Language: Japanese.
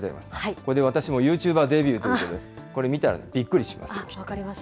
これで私もユーチューバーデビューということで、これ、見たらびっくりしますよ。